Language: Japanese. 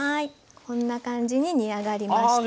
こんな感じに煮上がりました。